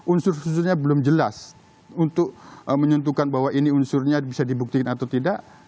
unsur unsurnya belum jelas untuk menyentuhkan bahwa ini unsurnya bisa dibuktikan atau tidak